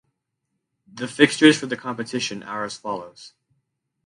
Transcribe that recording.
The fixtures for the competition are as follows.